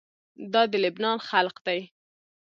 دا د لبنان خلق دي.